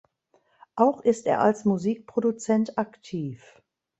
Auch ist er als Musikproduzent aktiv.